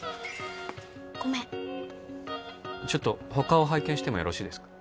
ごめんちょっと他を拝見してもよろしいですか？